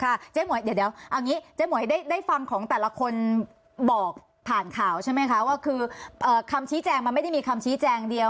เจ๊หมวยเดี๋ยวเอางี้เจ๊หมวยได้ฟังของแต่ละคนบอกผ่านข่าวใช่ไหมคะว่าคือคำชี้แจงมันไม่ได้มีคำชี้แจงเดียว